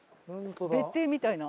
別邸みたいな。